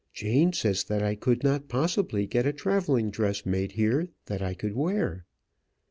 Jane says that I could not possibly get a travelling dress made here that I could wear."